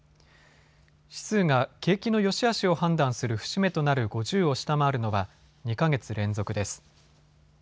指数が景気のよしあしを判断する節目となる５０を下回るのは２か月連続です。